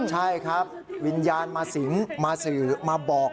ใช่ครับวิญญาณมาสิงมาสื่อมาบอก